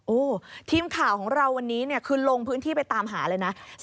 โอ้โหทีมข่าวของเราวันนี้เนี่ยคือลงพื้นที่ไปตามหาเลยนะ